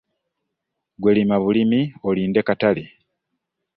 Ggwe lima bulimi olinde katale.